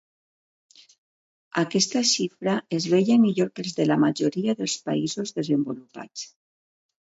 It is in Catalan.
Aquesta xifra es veia millor que els de la majoria dels països desenvolupats.